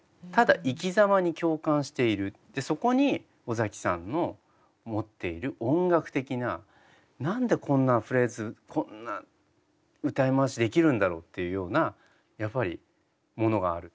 そこに尾崎さんの持っている音楽的な「何でこんなフレーズこんな歌い回しできるんだろう」っていうようなやっぱりものがある。